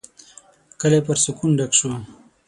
کلی پر سکون ډک شو.